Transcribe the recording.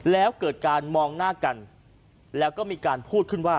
แล้วเกิดการมองหน้ากันแล้วก็มีการพูดขึ้นว่า